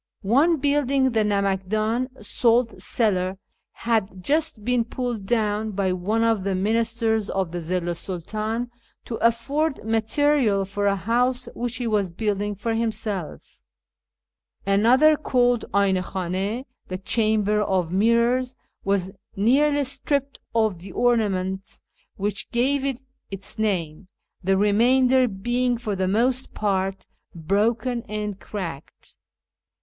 One building, the Namak ddn {" Salt cellar "), had just been pulled down by one of the ministers of the Zillu 's Sidtdn to afford material for a house which he was building for himself Another, called A'ind khdni ("the Chamber of Mirrors "), was nearly stripped of the ornaments wdiich gave it its name, the remainder being for the most part broken and cracked.